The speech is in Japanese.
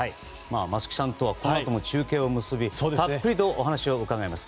松木さんとはこのあとも中継を結んでたっぷりお話を伺います。